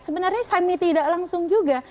sebenarnya tidak langsung juga